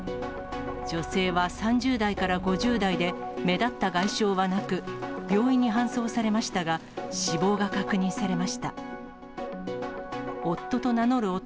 女性は３０代から５０代で、目立った外傷はなく、病院に搬送されましたが、死亡が確認されました。